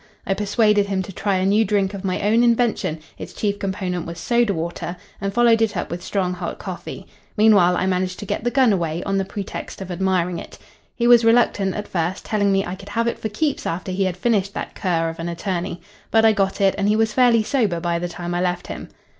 I persuaded him to try a new drink of my own invention its chief component was soda water and followed it up with strong hot coffee. Meanwhile I managed to get the gun away, on the pretext of admiring it. He was reluctant at first, telling me I could have it for keeps after he had finished that cur of an attorney. But I got it, and he was fairly sober by the time I left him.